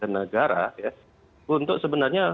negara untuk sebenarnya